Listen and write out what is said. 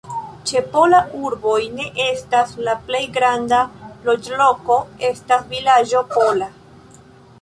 Ĉe Pola urboj ne estas, la plej granda loĝloko estas vilaĝo Pola.